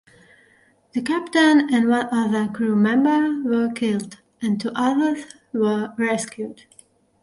The captain and one other crew member were killed and two others were rescued.